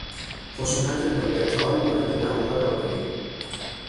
خشونت نئاندرتال مانند ماموران آگاهی